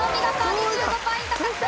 ２５ポイント獲得。